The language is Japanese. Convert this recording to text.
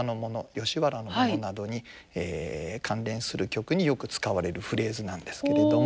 吉原のものなどに関連する曲によく使われるフレーズなんですけれども。